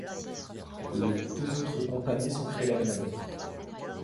Les deux autres compagnies sont créées la même année.